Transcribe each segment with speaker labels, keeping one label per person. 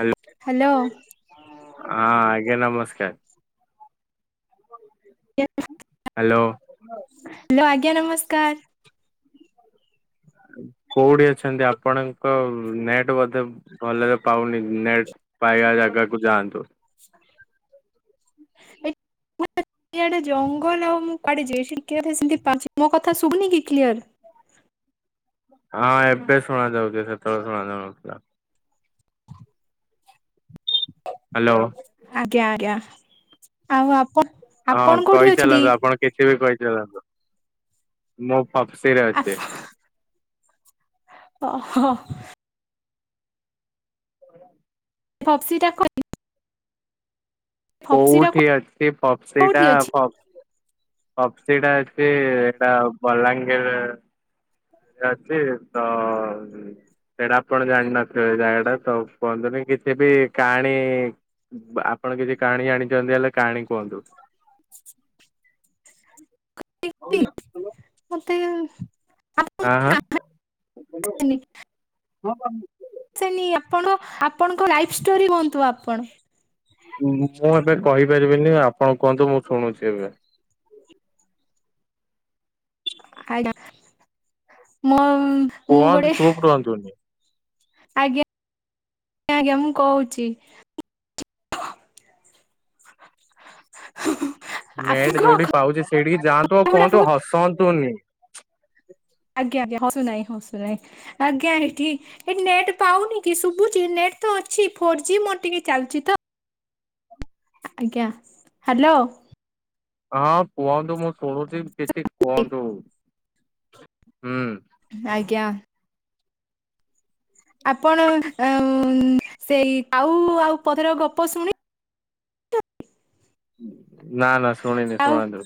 Speaker 1: Hello, ହୁଁ
Speaker 2: hello
Speaker 1: ହଁ ଆଜ୍ଞା ନମସ୍କାର।
Speaker 2: [unintelligible]
Speaker 1: ହାଲୋ
Speaker 2: ହ୍ୟାଲୋ ଆଜ୍ଞା ନମସ୍କାର।
Speaker 1: କୋଉଠି ଅଛନ୍ତି ଆପଣଙ୍କ ନେଟ ବୋଧେ ଭଲରେ ପାଉନି ନେଟ ପାଇବା ଜାଗାକୁ ଯାଆନ୍ତୁ।
Speaker 2: ଏ [inaudible] ଚାରିଆଡେ ଜଙ୍ଗଲ ଆଉ ମୁଁ କୁଆଡେ ଯିବି [unintelligible] ମୋ କଥା ଶୁଭୁନି କି କ୍ଲିୟର?
Speaker 1: ହଁ ଏବେ ଶୁଣାଯାଉଛି ସେତେବେଳେ ଶୁଣାଯାଉନଥିଲା। ହ୍ୟାଲୋ।
Speaker 2: ଆଜ୍ଞା ଆଜ୍ଞା ଆଉ ଆପ
Speaker 1: ହଁ
Speaker 2: ଆପଣ କୋଉଠି ଅଛନ୍ତି?
Speaker 1: କହିଚାଲନ୍ତୁ ଆପଣ କିଛି ବି କହିଚାଲନ୍ତୁ ମୁଁ ପପ୍ସିରେ
Speaker 2: ଆପ
Speaker 1: ଅଛି।
Speaker 2: ଓହୋ।
Speaker 1: [inaudible]
Speaker 2: ପପ୍ସିି ଟା [unintelligible] ଫପ୍ସିଟା
Speaker 1: କୋଉଠି ଅଛି
Speaker 2: କୋଉଠି
Speaker 1: ପପ୍ସିଟା
Speaker 2: ଅଛି?
Speaker 1: ଫ ପପ୍ସିଟା ଅଛି ଏଟା ବଲାଙ୍ଗୀରେ। ଅଛି ତ ସେଇଟା ଆପଣ ଜାଣିନଥିବେ ଏ ଜାଗାଟା ତ କୁହନ୍ତୁନି କିଛି ବି କାହାଣୀ ବା ଆପଣ କିଛି କାହାଣୀ ଜାଣିଚନ୍ତି ହେଲେ କାହାଣୀ କୁହନ୍ତୁ? ହଉ ନିଅ
Speaker 2: ମତେ
Speaker 1: ହଁ ହଁ [unintelligible]
Speaker 2: ସେନି ଆପଣ ଆପଣଙ୍କ ଲାଇଫ୍ ଷ୍ଟୋରି କୁହନ୍ତୁ ଆପଣ।
Speaker 1: ମୁଁ ତ ଏବେ କହିପାରିବିନି ଆପଣ କୁହନ୍ତୁ ମୁଁ ଶୁଭୁଚି ଏବେ?
Speaker 2: ଆଜ୍ଞା ମୁଁ ଗୋଟେ
Speaker 1: କୁହନ୍ତୁ ଚୁପ୍ ରୁହନ୍ତୁନି।
Speaker 2: ଆଜ୍ଞା ଆଜ୍ଞା ମୁଁ କହୁଚି। [unintelligible]
Speaker 1: [inaudible] ନେଟ୍
Speaker 2: ଆପଣଙ୍କ
Speaker 1: ଯୋଉଠି
Speaker 2: କଥା
Speaker 1: ପାଉଚି ସେଇଠିକି ଯାଆନ୍ତୁ ଆଉ
Speaker 2: ଗୁଡା
Speaker 1: କୁହନ୍ତୁ
Speaker 2: ବହୁତ
Speaker 1: ହସନ୍ତୁନି।
Speaker 2: ଆଜ୍ଞା ଆଜ୍ଞା ହସୁ ନାହିଁ ହସୁ ନାହିଁ ଆଜ୍ଞା ଏଠି ଏଠି ନେଟ୍ ପାଉନି କି ଶୁଭୁଚି ନେଟ୍ ତ ଅଛି ଫୋର ଜି ମୋ ଟିକେ ଚାଲିଚି ତ ଆଜ୍ଞା ହାଲୋ।
Speaker 1: ହଁ କୁହନ୍ତୁ ମୁଁ ଶୁଣୁଚି କିଛି କୁହନ୍ତୁ ହୁଁ।
Speaker 2: ଆଜ୍ଞା। ଆପଣ ଅ ସେଇ କାଉ ଆଉ ପଥର ଗପ ଶୁଣି
Speaker 1: ନା ନା ଶୁଣିନି
Speaker 2: ଆଉ
Speaker 1: ଶୁଣାନ୍ତୁ।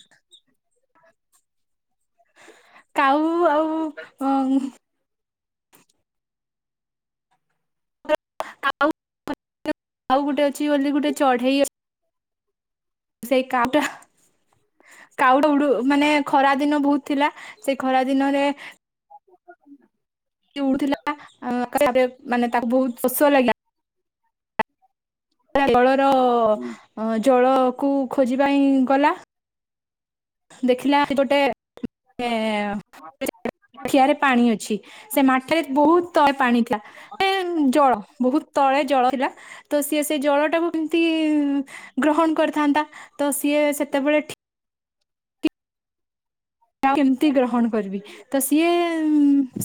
Speaker 2: କାଉ ଆଉ ଅ କାଉ [unintelligible] [unintelligible] କାଉ ଗୋଟେ ଅଛି ବୋଲି ଗୋଟେ ଚଢେଇ ଅ ସେଇ କାଉ ଟା କାଉଟା ଉଡ଼ୁ ମାନେ ଖରା ଦିନ ବହୁତ୍ ଥିଲା ସେ ଖରା ଦିନରେ ସେ ଉଡ଼ୁଥିଲା ତାପରେ ମାନେ ତାକୁ ବହୁତ ଶୋଷ ଲାଗିଲା ତା ଗଳର ଅ ଜଳକୁ ଖୋଜିବା ପାଇଁ ଗଲା ଦେଖିଲା ଗୋଟେ ଏ [unintelligible] ମାଠିଆରେ ପାଣି ଅଛି ସେ ମାଟିରେ ବହୁତ୍ ତଳେ ପାଣି ଥିଲା। [unintelligible] ଜଳ ବହୁତ୍ ତଳେ ଜଳ ଥିଲା। ତ ସିଏ ସେ ଜଳ ଟାକୁ କେମତି ଗ୍ରହଣ କରିଥାନ୍ତା ତ ସିଏ ସେତେବେଳେ ଠି [unintelligible] କେମିତି ଗ୍ରହଣ କରିବି ତ ସିଏ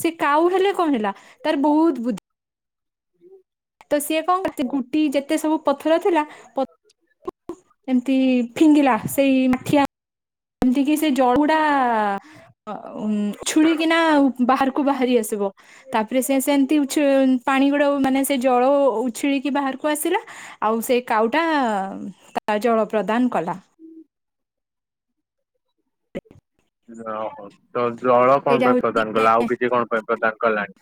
Speaker 2: ସିଏ କାଉ ହେଲେ କଣ ହେଲା ତାର ବହୁତ ବୁଦ୍ଧ ତ ସିଏ କଣ କରିଚି [unintelligible] ଗୁଟି ଯେତେ ସବୁ ପଥର ଥିଲା ପ ଏମିତି ଫିଙ୍ଗିଲା ସେଇ ମାଠିଆ ଏମତି କିି ସେ ଜଳଡ଼ା ଛୁଳିକିନା ବାହାରକୁ ବାହାରି ଆସିବ। ତାପରେ ସେ ସେମିତି ଉଛି ପାଣି ଗୁଡ଼ା ମାନେ ସେ ଜଳ ଉଛିଳିକି ବାହାରକୁ ଆସିଲା ଆଉ ସେ କାଉଟା ତା ଜଳ ପ୍ରଦାନ କଲା।
Speaker 1: ଓହୋ ତ ଜଳ କଣ
Speaker 2: ଏଇଟା
Speaker 1: ପାଇଁ
Speaker 2: ହଉଛି
Speaker 1: ପ୍ରଦାନ କଲା ଆଉ କିଛି କଣ ପାଇଁ ପ୍ରଦାନ କଲାନି।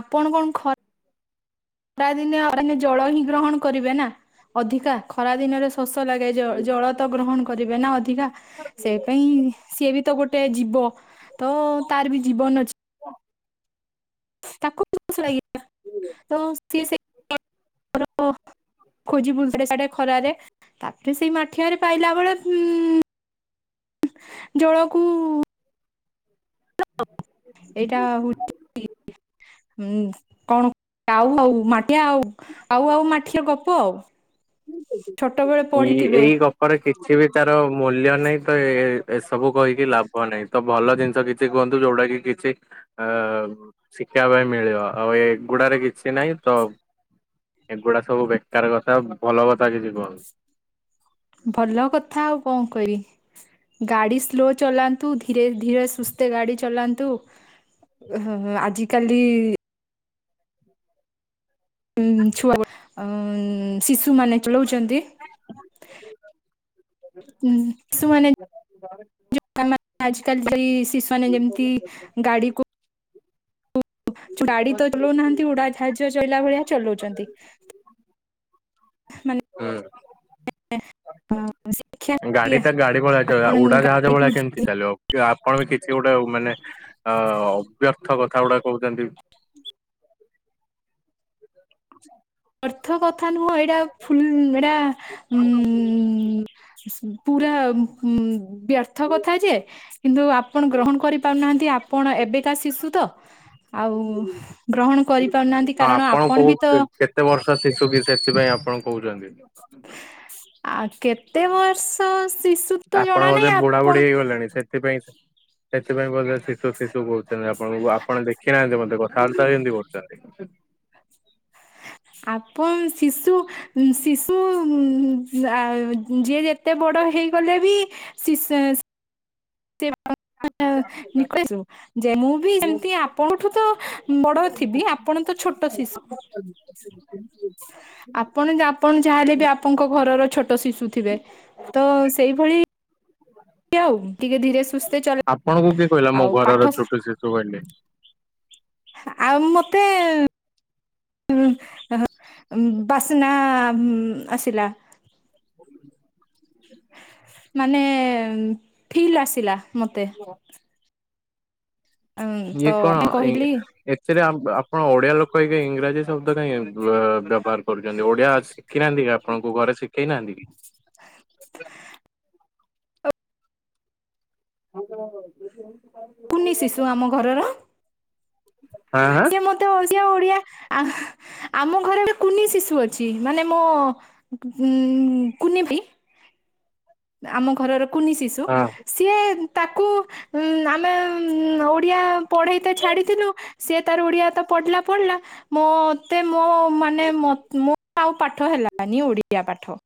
Speaker 2: ଆପଣ କଣ ଖ ଖରା ଦିନେ ଜଳ ହିଁ ଗ୍ରହଣ କରିବେ ନା ଅଧିକା ଖରା ଦିନରେ ସ ଶୋସ ଲାଗେ ଯ ଜଳ ତ ଗ୍ରହଣ କରିବେ ନା ଅଧିକା।
Speaker 1: [unintelligible]
Speaker 2: ସେପାଇଁ ସିଏବିତ ଗୋଟେ ଜୀବ ତ ତାର ବି ଜୀବନ ଅଛି [unintelligible] ଆଢ଼େ ସାଢ଼େ ଖରାରେ ତାପରେ ସେଇ ମାଠିଆରେ ପାଇଲା ବେଳେ ଉ ଜଳକୁ ଏଇଟା ହଉଚି [unintelligible] କଣ ଆଉ ଆଉ [unintelligible] ମାଟି ଠିଆ ଆଉ ଆଉ ଆଉ ମାଠିଆ ଗପ ଆଉ। ଛୋଟବେଳେ
Speaker 1: ଏଇ
Speaker 2: ପଢିଥିବେ
Speaker 1: ଏଇ କ। ପରେ କିଛି ବି ତାର ମୂଲ୍ୟ ନାହିଁ ତ ଏ ଏ ଏସବୁ କହିକି ଲାଭ ନାହିଁ ତ ଭଲ ଜିନିଷ କିଛି। କିଛି କୁହନ୍ତୁ ଯୋଉଟା କିଛି ଅ। ଶିଖିବା ପାଇଁ ମିଳିବ ଆଉ ଏଗୁଡାରେ କିଛି ନାହିଁ ତ। ଏଗୁଡା ସବୁ ବେକାର କଥା ଭଲ କଥା କିଛି କୁହନ୍ତି।
Speaker 2: ଭଲ କଥା ଆଉ କଣ କହିବି। ଗାଡ଼ି ସ୍ଲୋ ଚଲାନ୍ତୁ ଧୀରେ ଧୀରେ ସୁସ୍ଥେ ଗାଡ଼ି ଚଲାନ୍ତୁ। ହ ହ ଆଜିକାଲି। ହଁ ଛୁଆ ଗୋଟେ ଶିଶୁ ମାନେ ଚଳଉଛନ୍ତି। ରେ ଉଁ ଶିଶୁ ମାନେ। ଆଜ କାଲି ଶିଶୁମାନେ ଯେମିତି ଗାଡି କୁ। ଗାଡି ତ ଚଲଉନାହାନ୍ତି ଉଡାଜାହାଜ। ଥାଜୋର ଚଳିଲା ଭଳିଆ ଚଲଉଛନ୍ତି ମାନେ।
Speaker 1: ହୁଁ।
Speaker 2: ଏ ଏ।
Speaker 1: ଗାଡି ଟା ଗାଡି ଭଳିଆ
Speaker 2: ଆପଣ
Speaker 1: ଉଡା ଜାହାଜ
Speaker 2: ଗାଡିକୁ
Speaker 1: ଭଳିଆ କେମିତି ଚାଲିବ ଆପଣ ବି କି। ସେ ଗୋଟେ ମାନେ ଅ ଅବ୍ୟର୍ଥ କଥା ଗୁଟା କହୁଛନ୍ତି। [unintelligible]
Speaker 2: ବ୍ୟର୍ଥ କଥା ନୁହଁ ଏଇଟା ଫୁଲ୍ ଏଇଟା ଉ। ପୁରା ଉ ବ୍ୟର୍ଥ। ବ୍ୟର୍ଥ
Speaker 1: ହଁ
Speaker 2: କଥା ଯେ କିନ୍ତୁ ଆପଣ ଗ୍ରହଣ କରିପାରୁନାହାନ୍ତି ଆପଣ ଏବେକା ଶିଶୁ ତ। ଆଉ ଗ୍ରହଣ କରିପାରୁନାହାନ୍ତି କାରଣ ଆପଣ
Speaker 1: କୋଉ
Speaker 2: ବି ତ।
Speaker 1: କେ- କେତେ ବର୍ଷର ଶିଶୁ କି ସେଥିପାଇଁ ଆପଣ କହୁଛନ୍ତି।
Speaker 2: ଆ କେତେ ବର୍ଷ ଶିଶୁ। ତ
Speaker 1: ଆପଣ
Speaker 2: ଜଣା
Speaker 1: ବୋଧେ
Speaker 2: ନାହିଁ
Speaker 1: ବୁଢା
Speaker 2: ଆପଣ
Speaker 1: ବୁଢୀ ହେଇଗଲେଣି ସେଥିପାଇଁ ସେ। ସେଥିପାଇଁ ବୋଧେ ଶିଶୁ ଶିଶୁ କହୁଛନ୍ତି ଆପଣଙ୍କୁ ଆପଣ ଦେଖିନାହାନ୍ତି ମୋତେ କଥାବାର୍ତ୍ତା କେମନ୍ତି କରୁଛନ୍ତି।
Speaker 2: ଆପଣ ଶିଶୁ। ଶିଶୁ ଉଁ ଉଁ ଆ ଯିଏ ଯେତେ ବଡ ହେଇଗଲେ ବି। ଶିସେଶ୍। [unintelligible] ଯେ ମୁଁ ବି ଯେମତି ଆପଣଙ୍କଠୁ ତ ବଡ ଥିବି ଆପଣ ତ ଛୋଟ ଶିଶୁ।
Speaker 1: [inaudible]
Speaker 2: ଆପଣ ଆପଣ ଯାହା ହେଲେ ବି ଆପଣଙ୍କ ଘରର ଛୋଟ ଶିଶୁ ଥିବେ ତ ସେଇଭଳି। ଆଉ ଟିକେ ଧୀରେ ସୁସ୍ଥେ ଚଲେ
Speaker 1: ଆପଣଙ୍କୁ କିଏ କହିଲା ମୋ
Speaker 2: ଆଉ ପାଠ
Speaker 1: ଘରର ଛୋଟ ଶିଶୁ ବୋଲି।
Speaker 2: ଆଉ ମତେ। ଉଁ ଅହଁ ବାସ୍ନା ଉଁ ଆସିଲା। ମାନେ ଫିଲ୍ ଆସିଲା ମତେ।
Speaker 1: ଓହୋ। ଇଏ
Speaker 2: ତ
Speaker 1: କଣ
Speaker 2: ମୁଁ
Speaker 1: ଏ।
Speaker 2: କହିଲି
Speaker 1: ଏଥିରେ ଆ ଆପଣ ଓଡ଼ିଆ ଲୋକ ହେଇକି ଇଂରାଜୀ ଶବ୍ଦ କାହିଁକି ବ୍ୟବହାର। କରୁଛନ୍ତି ଓଡିଆ ଶିଖିନାହାନ୍ତି କି ଆପଣଙ୍କୁ ଘରେ ଶିଖେଇ ନାହାନ୍ତି କି। [unintelligible]
Speaker 2: କୁନି ଶିଶୁ ଆମ ଘରର
Speaker 1: ହଁ ହଁ
Speaker 2: ସେ ମୋ। ତ ସେ ଓଡ଼ିଆ ଆମ ଘରେ ଗୋଟେ କୁନି ଶିଶୁ ଅଛି ମାନେ ମୋ। ଉଁ କୁନି ଭାଇ। ଆମ ଘରର କୁନି ଶିଶୁ
Speaker 1: ହଁ
Speaker 2: ସିଏ ତାକୁ। ଉଁ ଆମେ ଉଁ ଓଡିଆ ପଢେଇ ତେ ଛାଡିଥିଲୁ। ସିଏ ତାର ଓଡିଆ ତ ପଢିଲା ପଢିଲା। ମତେ ମୋ ମାନେ ମୋ ମୋର ଆଉ ପାଠ ହେଲାନି ଓଡ଼ିଆ ପାଠ।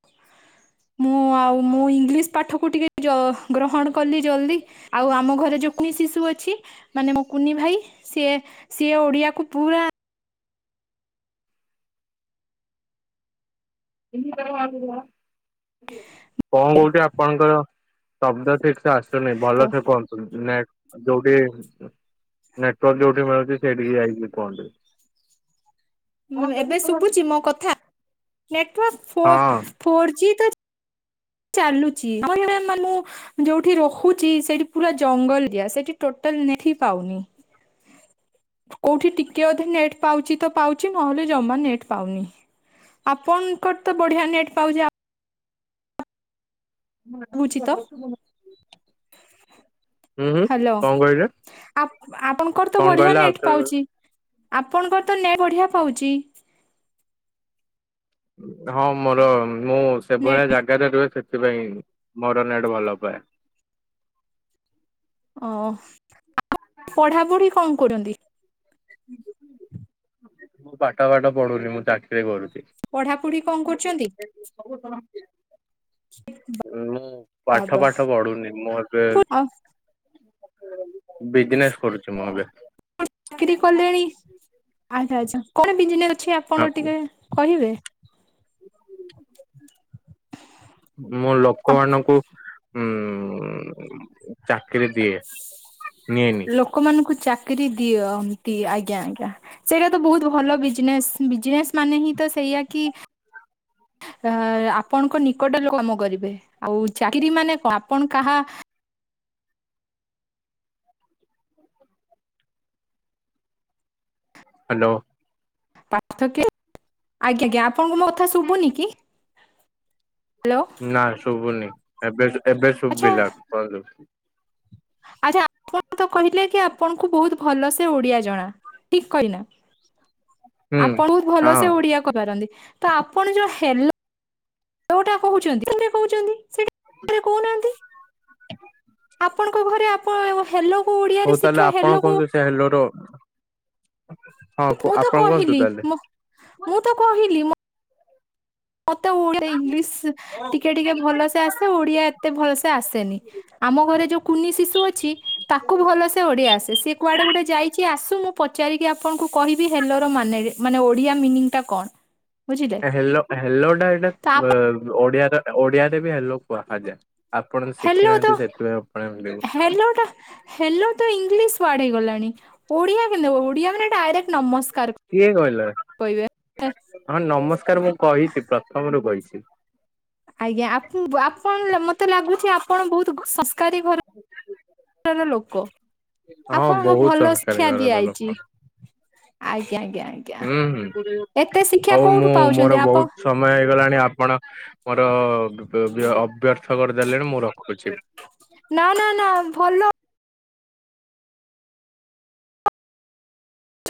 Speaker 2: ମୁଁ ଆଉ ମୁଁ ଇଂଲିଶ ପାଠକୁ ଟିକେ ଜ ଗ୍ରହଣ କଲି ଜଲଦି। ଆଉ ଆମ ଘରେ ହେଉ [unintelligible] ଶିଶୁ ଅଛି ମାନେ ମୋ କୁନି ଭାଇ ସିଏ ସିଏ ଓଡିଆକୁ ପୁରା
Speaker 1: [unintelligible] କଣ କହୁଛିି ଆପଣଙ୍କର ଶବ୍ଦ ଠିକ ସେ ଆସୁନି
Speaker 2: ତ
Speaker 1: ଭଲ ସେ କୁହନ୍ତୁ [unintelligible] ନାଇ ଯୋଉଠି ନେଟୱର୍କ ଯୋଉଠି ମିଳୁଛି ସେଇଠିକି ଯାଇକି କୁହନ୍ତୁ
Speaker 2: ଉଁ-ଉଁ ଏବେ ଶୁଭୁଛି ମୋ କଥା, ନେଟୱାର୍କ ଫୋର୍
Speaker 1: ହଁ
Speaker 2: ଫୋର୍ ଜି ତ ଚାଲୁଛି [unintelligible] ମାନେ ମୁଁ ଯୋଉଠି ରହୁଚି ସେଇଠି ପୁରା ଜଙ୍ଗଲ ଏରିଆ ସେଠି ଟୋଟାଲ ନେଟ୍ ହିଁ ପାଉନି। କୋଉଠି ଟିକେ ଅଧେ ନେଟ୍ ପାଉଛି ତ ପାଉଛି ନହେଲେ ଜମା ନେଟ୍ ପାଉନି। ଆପଣଙ୍କର ତ ବଢିଆ ନେଟ୍ ପାଉଚି ଆ ବୁଚି ତ
Speaker 1: ହୁଁ ହୁଁ
Speaker 2: ହ୍ୟାଲୋ।
Speaker 1: କଣ କହିଲେ
Speaker 2: ଆପଣଙ୍କର ତ
Speaker 1: କଣ
Speaker 2: ବଢିଆ
Speaker 1: କହିଲେ
Speaker 2: ନେଟ୍
Speaker 1: ଆଉଥରେ
Speaker 2: ପାଉଚି ଆପଣଙ୍କର ତ ନେଟ୍ ବଢିଆ ପାଉଚି।
Speaker 1: ହଁ ମୋର ମୁଁ
Speaker 2: ନେଟ୍
Speaker 1: ସେଭଳିଆ ଜାଗାରେ ରୁହେ ସେଥିପାଇଁ ମୋର ନେଟ୍ ଭଲ ପାଏ।
Speaker 2: ଓ-ଓ [inaudible] ପଢାପଢି କଣ କରନ୍ତି?
Speaker 1: ମୁଁ ପାଠ ଫାଠ ପଢୁନି ମୁଁ ଚାକିରି କରୁଛି।
Speaker 2: ପଢାପଢି କଣ କରୁଛନ୍ତି?
Speaker 1: ସବୁତ [inaudible] ମୁଁ ପାଠ
Speaker 2: ବାବା
Speaker 1: ଫାଠ ପଢୁନି ମୁଁ ଏବେ
Speaker 2: ଆଉ
Speaker 1: ବିଜନେସ୍ କରୁଛି ମୁଁ ଏବେ।
Speaker 2: ଚାକିରି କଲେଣି ଆଚ୍ଛା ଆଚ୍ଛା କଣ ବିଜନେସ୍ ଅଛି ଆପଣଙ୍କ ଟିକେ କହିବେ?
Speaker 1: ମୁଁ ଲୋକମାନଙ୍କୁ। ହୁଁ ଚାକିରି ଦିଏ। ନିଏନି
Speaker 2: ଲୋକମାନଙ୍କୁ ଚାକିରୀ ଦିଅ -ନ୍ତି ଆଜ୍ଞା ଆଜ୍ଞା। ସେଇଟା ତ ବହୁତ ଭଲ ବିଜନେସ ବିଜନେସ ମାନେ ହିଁ ତ ସେଇଆ କି। ଅ ଆପଣଙ୍କ ନିକଟ ଲୋକ କାମ କରିବେ ଆଉ ଚାକିରି ମାନେ କଣ ଆପଣ କାହା
Speaker 1: ହାଲୋ।
Speaker 2: ପାର୍ଥକ୍ୟ ଆଜ୍ଞା ଆଜ୍ଞା ଆପଣଙ୍କୁ ମୋ କଥା ଶୁଭୁନି କି? ହାଲୋ।
Speaker 1: ନା ଶୁଭୁନି ଏବେ ଶୁ ଏବେ
Speaker 2: ଆଚ୍ଛା
Speaker 1: ଶୁଭିଲା କୁହନ୍ତୁ।
Speaker 2: ଆଚ୍ଛା ଆପଣ ତ କହିଥିଲେ କି ଆପଣଙ୍କୁ ବହୁତ ଭଲ ସେ ଓଡିଆ ଜଣା ଠିକ କହିଲି ନା।
Speaker 1: [inaudible]
Speaker 2: ଆପଣ ବହୁତ ଭଲ ସେ
Speaker 1: ହଁ।
Speaker 2: ଓଡିଆ କହିପାରନ୍ତି ତ ଆପଣ ଯୋଉ ହେଲୋ ଯୋଉଟା କହୁଛନ୍ତି [unintelligible] କହୁଛନ୍ତି। ସେଇଟା କହୁନାହାନ୍ତି।
Speaker 1: [unintelligible]
Speaker 2: ଆପଣଙ୍କ ଘରେ ଆପଣ ଓ ହେଲୋକୁ ଓଡିଆରେ ଶିକ୍ଷା ହେଲୋକୁ।
Speaker 1: ହେଲୋ ର ହଁ କୁ
Speaker 2: ମୁଁ ତ
Speaker 1: ଆପଣ କୁହନ୍ତୁ
Speaker 2: କହିଲି
Speaker 1: ତାହେଲେ।
Speaker 2: ମୁଁ ତ କହିଲି ମ ମତେ ଓଡ଼ିଆ ଇଂଲିଶ ଟିକେ ଟିକେ ଭଲସେ ଆସେ ଓଡିଆ ଏତେ ଭଲସେ ଆସେନି। ଆମ ଘରେ ଯୋଉ କୁନି ଶିଶୁ ଅଛି ତାକୁ ଭଲସେ ଓଡିଆ ଆସେ ସିଏ କୁଆଡେ ଗୋଟେ ଯାଇଛି ଆସୁ ମୁଁ ପଚାରିକି ଆପଣଙ୍କୁ କହିବି ହେଲୋର ମାନେ ମାନେ ଓଡିଆ ମିନିଂଟା କଣ? ବୁଝିଲେ
Speaker 1: ଏ ହେଲୋ ହେଲୋଟା ଏଇଟା
Speaker 2: ତ
Speaker 1: ବ
Speaker 2: ଆପଣ
Speaker 1: ଓଡିଆ ର ଓଡିଆରେ ବି ହେଲୋ କୁହାଯାଏ। ଆପଣ ତ୍ ଶିଖି ନାହାନ୍ତି ସେଥିପାଇଁ ଆପଣ ମିଳିବ।
Speaker 2: ଅ ଟା ହେଲୋ ତ ଇଂଲିଶ ୱାର୍ଡ ହେଇଗଲାଣି ଓଡିଆ କେମିତି ହବ୍ ଓଡିଆ ମାନେ ଡାଇରେକ୍ଟ ନମସ୍କାର
Speaker 1: କିଏ କହିଲା?
Speaker 2: କହିବେ
Speaker 1: ହଁ ନମସ୍କାର ମୁଁ କହିଛି ତ ପ୍ରଥମରୁ କହିଛି।
Speaker 2: ଆଜ୍ଞା ଆପ ଆପଣ ମତେ ଲାଗୁଛି ଆପଣ ବହୁତ ଗ ସସ ସରକାରୀ ଘରର ଲୋକ।
Speaker 1: ହଁ
Speaker 2: ଆପଣଙ୍କୁ
Speaker 1: ବହୁତ
Speaker 2: ଭଲ
Speaker 1: ସଂସ୍କାରୀ
Speaker 2: ଶିକ୍ଷା
Speaker 1: ଘରର ଲୋକ
Speaker 2: ଦିଆଯାଇଛି ଆଜ୍ଞା ଆଜ୍ଞା ଆ
Speaker 1: ହୁଁ ହଉ ମୁଁ
Speaker 2: ପାଉଛନ୍ତି
Speaker 1: ମୋର
Speaker 2: ଆପଣ
Speaker 1: ବହୁତ ସମୟ ହେଇଗଲାଣି ଆପଣ ମୋର ଅ ବ ବ ଅବ୍ୟର୍ଥ କରିଦେଲେଣି ମୁଁ ରଖୁଛି।
Speaker 2: ନା ନା ନା ଭଲ।